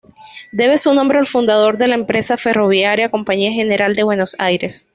Debe su nombre al fundador de la empresa ferroviaria Compañía General de Buenos Aires.